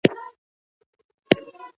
په ه ق کال کې په پارسي لیکل شوی دی.